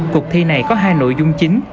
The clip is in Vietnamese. cuộc thi này có hai nội dung chính